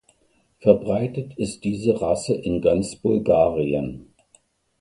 Verbreitet ist diese Rasse in ganz Bulgarien.